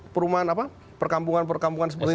perumahan apa perkampungan perkampungan seperti